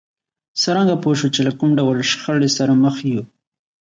څرنګه پوه شو چې له کوم ډول شخړې سره مخ يو؟